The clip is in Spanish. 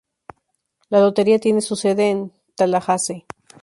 La lotería tiene su sede en Tallahassee.